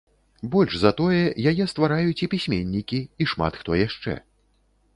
Больш за тое, яе ствараюць і пісьменнікі, і шмат хто яшчэ.